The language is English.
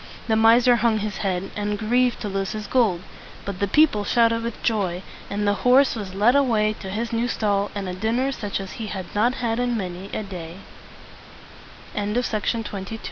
The miser hung his head, and grieved to lose his gold; but the people shouted with joy, and the horse was led away to his new stall and a dinner such as he had not had